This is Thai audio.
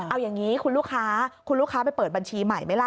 เอาอย่างนี้คุณลูกค้าคุณลูกค้าไปเปิดบัญชีใหม่ไหมล่ะ